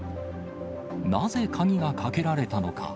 なぜ鍵がかけられたのか。